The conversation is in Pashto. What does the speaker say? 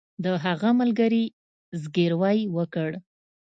د هغه ملګري زګیروی وکړ